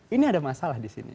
ini ada masalah di sini